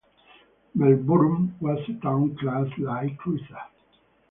"Melbourne" was a Town class light cruiser.